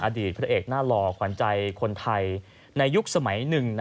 อดีตแน่หลอกใครใจคนไทยในยุคสมัยหนึ่ง